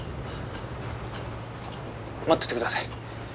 待っててください。